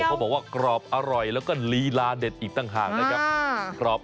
เขาบอกว่ากรอบอร่อยแล้วก็ลีลาเด็ดอีกต่างหากนะครับ